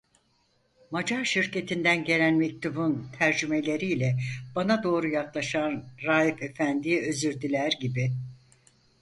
Macar şirketinden gelen mektubun tercümeleriyle bana doğru yaklaşan Raif efendiye özür diler gibi.